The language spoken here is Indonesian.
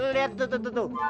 liat tuh tuh tuh tuh